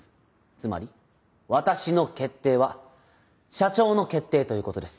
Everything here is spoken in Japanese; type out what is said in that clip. つまり私の決定は社長の決定ということです。